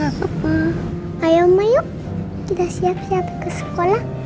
kita siap siap ke sekolah